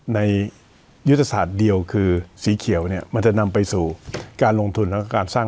ในยุทธศาสตร์เดียวคือสีเขียวเนี่ยมันจะนำไปสู่การลงทุนแล้วก็การสร้าง